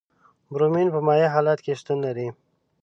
برومین په مایع حالت کې شتون لري.